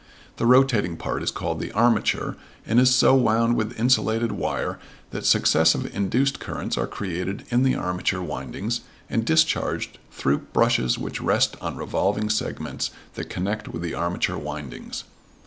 The rotating part is called the armature, and is so wound with insulated wire that successive induced currents are created in the armature windings and discharged through brushes which rest on revolving segments that connect with the armature windings.